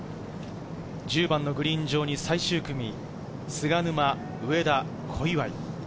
１０番のグリーン上に最終組、菅沼、上田、小祝。